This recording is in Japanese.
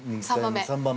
◆３番目。